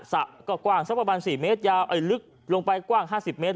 สระก็กว้างสักประมาณ๔เมตรยาวลึกลงไปกว้าง๕๐เมตร